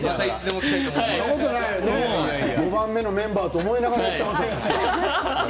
僕は５番目のメンバーだと思いながらやってますよ。